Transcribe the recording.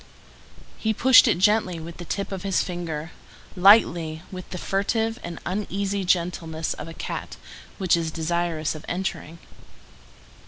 He pushed it gently with the tip of his finger, lightly, with the furtive and uneasy gentleness of a cat which is desirous of entering.